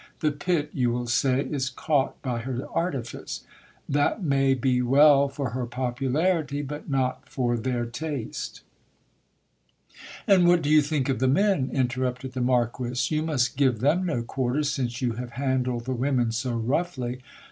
The pit you will say, is caught by her artifice ; that may be well for her popularity, but not for their taste And what do you think of the men ? interrupted the Marquis ; you must give them no quarter, since you have handled the women so roughly.